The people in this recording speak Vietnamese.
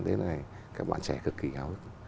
tới nay các bạn trẻ cực kỳ hào hức